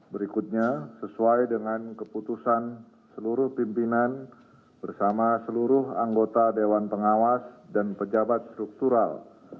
berikutnya sesuai dengan keputusan seluruh pimpinan bersama seluruh anggota dewan pengawas dan pejabat struktural